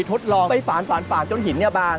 ทดลองไปฝาลจนหินเนี่ยบาง